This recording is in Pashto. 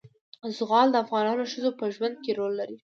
زغال د افغان ښځو په ژوند کې رول لري.